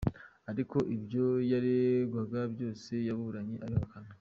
Ariko ibyo yaregwaga byose yaburanye abihakana.